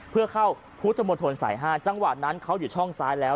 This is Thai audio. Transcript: เพื่อเข้าพุทธมนตรสาย๕จังหวะนั้นเขาอยู่ช่องซ้ายแล้ว